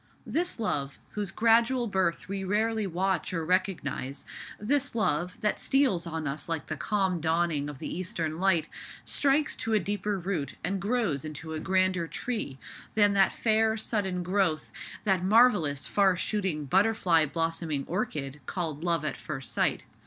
This love, whose gradual birth we rarely watch or recognize—this love, that steals on us like the calm dawning of the eastern light, strikes to a deeper root and grows into a grander tree than that fair sudden growth, that marvellous far shooting butterfly blossoming orchid, called love at first sight.